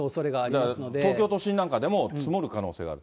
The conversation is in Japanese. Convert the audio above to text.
だから東京都心なんかでも、積もる可能性があると。